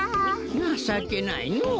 なさけないのう。